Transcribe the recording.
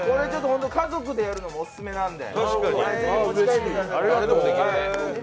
家族でやるのもオススメなんで。